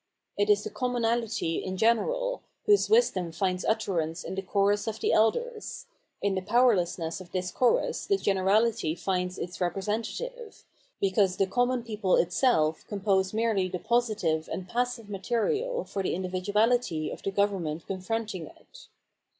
It is the commonalty in general, whose wisdom finds utterance in the Chorus of the Elders ; in the powerlessness of this chorus the generahty finds its representative, because the common people itself compose merely the positive and passive material for the individuahty of the government confronting it.